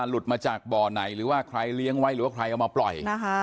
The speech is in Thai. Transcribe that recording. หลุดมาจากบ่อไหนหรือว่าใครเลี้ยงไว้หรือว่าใครเอามาปล่อย